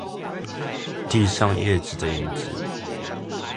地上葉子的影子